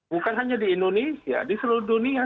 bukan hanya di indonesia di seluruh dunia